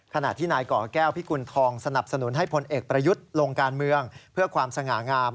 ขณะที่นายก่อแก้วพิกุณฑองสนับสนุนให้พลเอกประยุทธ์ลงการเมืองเพื่อความสง่างาม